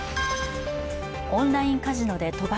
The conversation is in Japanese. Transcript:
オンラインカジノで賭博。